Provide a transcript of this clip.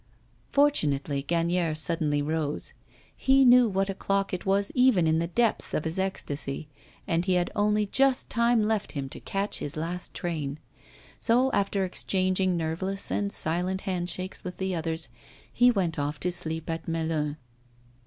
Fortunately, Gagnière suddenly rose. He knew what o'clock it was even in the depths of his ecstasy, and he had only just time left him to catch his last train. So, after exchanging nerveless and silent handshakes with the others, he went off to sleep at Melun.